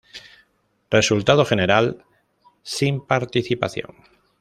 Resultado General: "Sin participación"